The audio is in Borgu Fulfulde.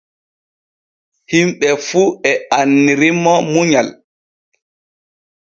Himɓe fu e annirimo munyal.